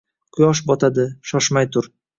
— Quyosh botadi, shoshmay tur.